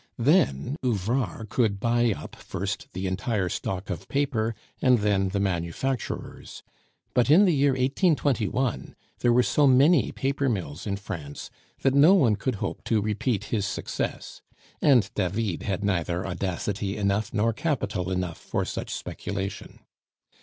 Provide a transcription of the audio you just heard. Then Ouvrard could buy up first the entire stock of paper and then the manufacturers; but in the year 1821 there were so many paper mills in France, that no one could hope to repeat his success; and David had neither audacity enough nor capital enough for such speculation.